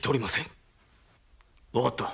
わかった。